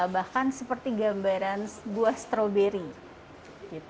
bahkan seperti gambaran buah stroberi